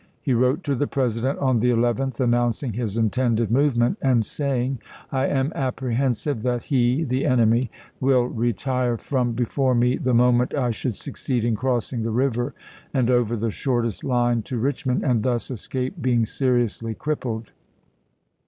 He wrote to the President on the 11th announcing his intended movement, and saying: " I am apprehensive that he [the enemy] will retire 90 ABBAHAM LINCOLN chap. iv. from before me the moment I should succeed in crossing the river, and over the shortest line to voi^xxv., Richmond, and thus escape being seriously crip Pp.rti9"" pled."